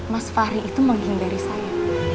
mas fahri itu menghimberi saya